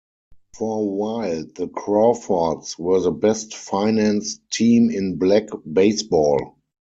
For a while, the Crawfords were the best-financed team in black baseball.